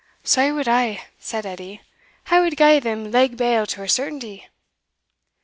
"So wad I," said Edie; "I wad gie them leg bail to a certainty."